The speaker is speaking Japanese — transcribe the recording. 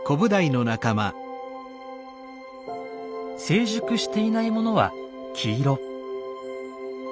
成熟していないものは黄色。